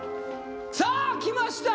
さあ来ました